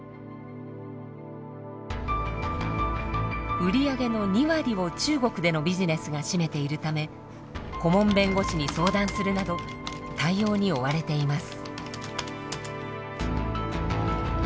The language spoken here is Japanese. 売り上げの２割を中国でのビジネスが占めているため顧問弁護士に相談するなど対応に追われています。